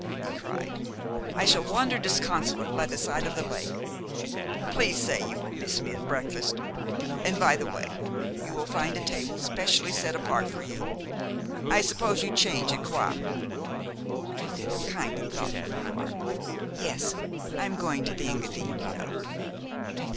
he cried. "I shall wander disconsolate by the side of the lake. Please say you will miss me at breakfast. And, by the way, you will find a table specially set apart for you. I suppose you change at Coire?" "How kind and thoughtful you are. Yes, I am going to the Engadine, you know."